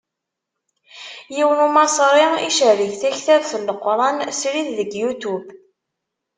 Yiwen Umaṣri icerreg taktabt n Leqran srid deg Youtube.